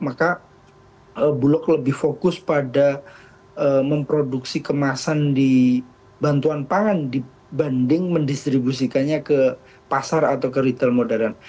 maka bulog lebih fokus pada memproduksi kemasan di bantuan pangan dibanding mendistribusikannya ke pasar atau ke retail modern